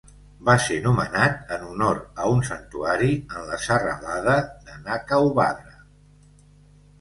Va ser nomenat en honor a un santuari en la serralada de Nakauvadra.